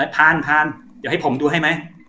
พานเดี๋ยวให้ผมดูให้ไหม